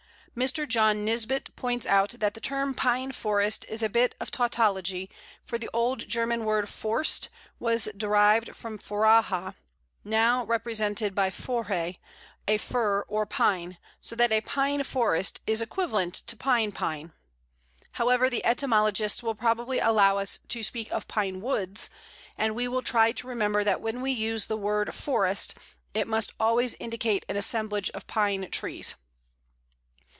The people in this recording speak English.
Mr. John Nisbet points out that the term "pine forest" is a bit of tautology, for the old German word forst was derived from foraha now represented by föhre, a fire or pine so that "pine forest" is equivalent to "pine pine." However, the etymologists will probably allow us to speak of Pine woods, and we will try to remember that when we use the word forest it must always indicate an assemblage of Pine trees.